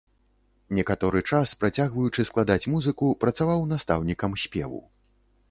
Некаторы час, працягваючы складаць музыку, працаваў настаўнікам спеву.